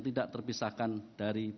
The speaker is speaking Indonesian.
tidak terpisahkan dari